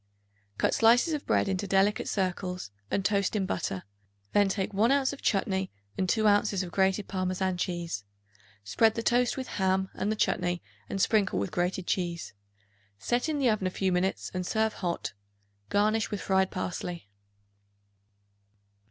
Cut slices of bread into delicate circles and toast in butter; then take 1 ounce of chutney and 2 ounces of grated Parmesan cheese; spread the toast with ham and the chutney and sprinkle with grated cheese. Set in the oven a few minutes and serve hot, garnished with fried parsley.